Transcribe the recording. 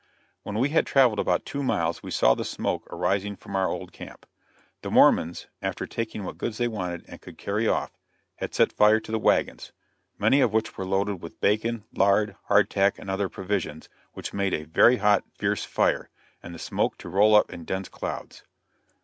When we had traveled about two miles we saw the smoke arising from our old camp. The Mormons after taking what goods they wanted and could carry off, had set fire to the wagons, many of which were loaded with bacon, lard, hard tack, and other provisions, which made a very hot, fierce fire, and the smoke to roll up in dense clouds.